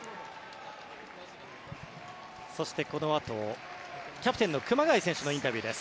そしてこのあとキャプテンの熊谷選手のインタビューです。